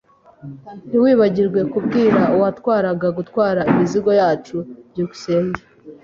Ntiwibagirwe kubwira uwatwaraga gutwara imizigo yacu. byukusenge